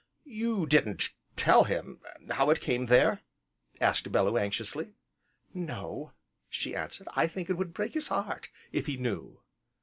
"You didn't tell him how it came there?" asked Bellew anxiously. "No," she answered, "I think it would break his heart if he knew."